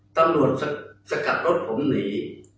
ตำรวจสกัดรถผมหนี